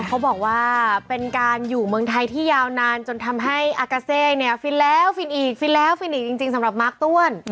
เขาบอกว่าเป็นการอยู่เมืองไทยที่ยาวนานจนทำให้อากาเซเนี่ยฟินแล้วฟินอีกฟินแล้วฟินอีกจริงสำหรับมาร์คต้วน